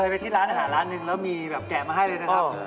ไปที่ร้านอาหารร้านหนึ่งแล้วมีแบบแกะมาให้เลยนะครับ